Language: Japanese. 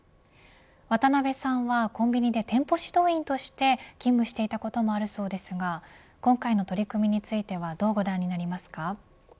渡辺さんはコンビニで店舗指導員として勤務していたこともあるそうですが今回の取り組みについてはどうご覧になりますか。